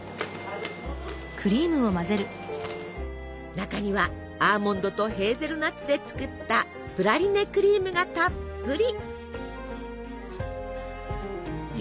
中にはアーモンドとヘーゼルナッツで作ったプラリネクリームがたっぷり。